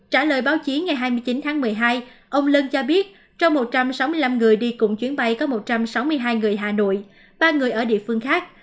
trả lời báo chí ngày hai mươi chín tháng một mươi hai ông lân cho biết trong một trăm sáu mươi năm người đi cùng chuyến bay có một trăm sáu mươi hai người hà nội ba người ở địa phương khác